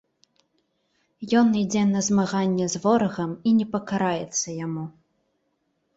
Ён ідзе на змаганне з ворагам і не пакараецца яму.